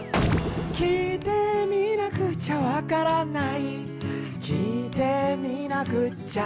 「きいてみなくちゃわからない」「きいてみなくっちゃ」